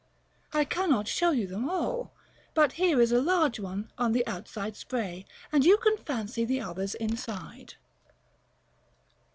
I cannot show you them all; but here is a large one on the outside spray, and you can fancy the others inside."